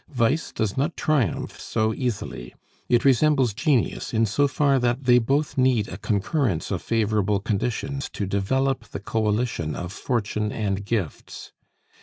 Vice does not triumph so easily; it resembles genius in so far that they both need a concurrence of favorable conditions to develop the coalition of fortune and gifts.